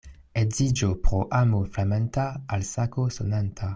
Edziĝo pro amo flamanta al la sako sonanta.